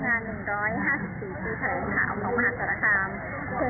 สวัสดีครับ